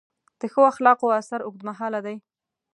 د ښو اخلاقو اثر اوږدمهاله دی.